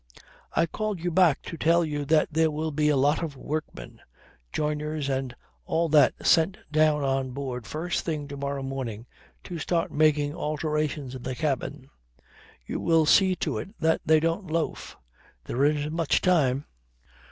I called you back to tell you that there will be a lot of workmen, joiners and all that sent down on board first thing to morrow morning to start making alterations in the cabin. You will see to it that they don't loaf. There isn't much time."